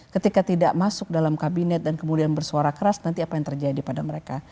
ketika tidak masuk dalam kabinet dan kemudian bersuara keras nanti apa yang terjadi pada mereka